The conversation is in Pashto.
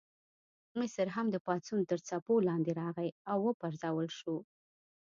مصر هم د پاڅون تر څپو لاندې راغی او وپرځول شو.